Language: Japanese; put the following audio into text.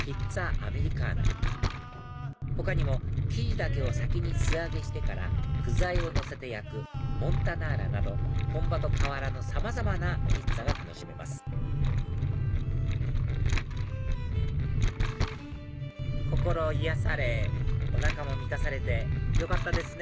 アメリカーナ他にも生地だけを先に素揚げしてから具材をのせて焼くモンタナーラなど本場と変わらぬさまざまなピッツァが楽しめます心癒やされおなかも満たされてよかったですね